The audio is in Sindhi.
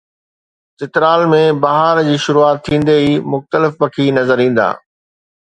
چترال ۾ بهار جي شروعات ٿيندي ئي مختلف پکي نظر ايندا